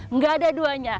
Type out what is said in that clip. enggak ada duanya